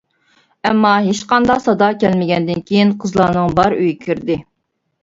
ئەمما ھېچقانداق سادا كەلمىگەندىن كېيىن قىزلارنىڭ بار ئۆيگە كىردى.